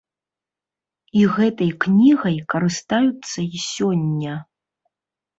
І гэтай кнігай карыстаюцца і сёння.